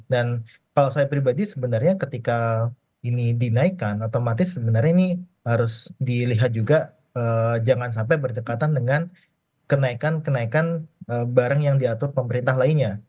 dan kalau saya pribadi sebenarnya ketika ini dinaikkan otomatis sebenarnya ini harus dilihat juga jangan sampai berdekatan dengan kenaikan kenaikan barang yang diatur pemerintah lainnya